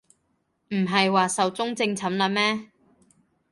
唔係話壽終正寢喇咩